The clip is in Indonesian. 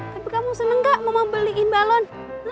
tapi kamu seneng gak mama beliin balon